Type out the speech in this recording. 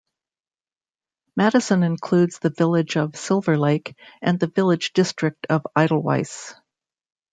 Madison includes the village of Silver Lake and the village district of Eidelweiss.